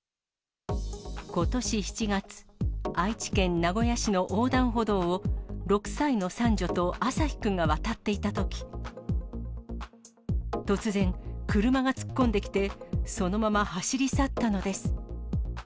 ことし７月、愛知県名古屋市の横断歩道を６歳の三女とあさひくんが渡っていたとき、突然、車が突っ込んできて、そのまま走り去ったのです。